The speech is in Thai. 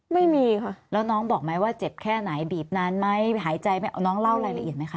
ไม่มีค่ะแล้วน้องบอกไหมว่าเจ็บแค่ไหนบีบนานไหมหายใจไม่เอาน้องเล่ารายละเอียดไหมคะ